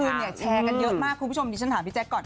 คือเนี่ยแชร์กันเยอะมากคุณผู้ชมดิฉันถามพี่แจ๊คก่อน